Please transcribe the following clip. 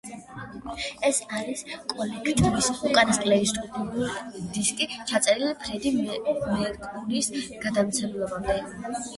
ეს არის კოლექტივის უკანასკნელი სტუდიური დისკი, ჩაწერილი ფრედი მერკურის გარდაცვალებამდე.